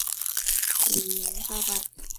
李俨照办。